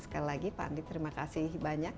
sekali lagi pak andi terima kasih banyak